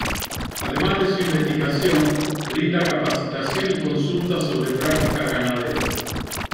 Además de su investigación, brinda capacitación y consultas sobre prácticas ganaderas.